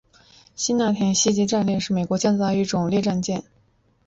田纳西级战列舰是美国建造的一种战列舰。